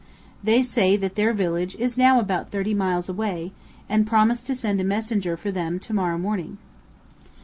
They say that their village is now about 30 miles away, and promise to send a messenger for them to morrow morning.